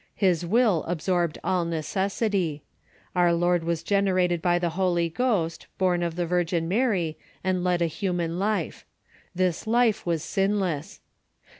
His will absorbed all necessity. Our Lord was generated by the Holy Ghost, born of the Virgin Mary, and led a human life. This life was sinless.